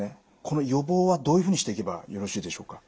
この予防はどういうふうにしていけばよろしいでしょうか？